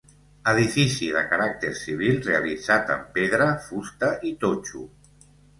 Edifici de caràcter civil realitzat amb pedra, fusta i totxo.